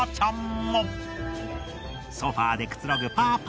ソファーでくつろぐパパ。